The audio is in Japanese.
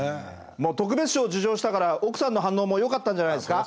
特別賞を受賞したから奥さんの反応も良かったんじゃないですか？